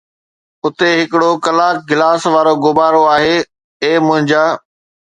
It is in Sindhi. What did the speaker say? اتي ھڪڙو ڪلاڪ گلاس وارو غبارو آھي، اي منهنجا